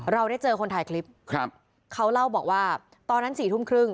เราได้เจอคนถ่ายคลิปครับเขาเล่าบอกว่าตอนนั้นสี่ทุ่มครึ่ง